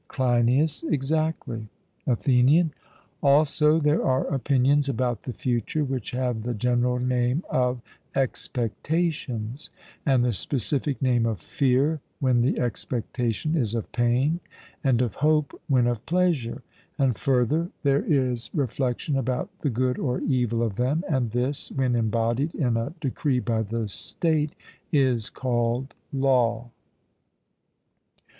CLEINIAS: Exactly. ATHENIAN: Also there are opinions about the future, which have the general name of expectations; and the specific name of fear, when the expectation is of pain; and of hope, when of pleasure; and further, there is reflection about the good or evil of them, and this, when embodied in a decree by the State, is called Law.